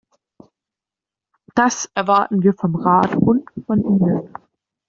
Das erwarten wir vom Rat und von Ihnen.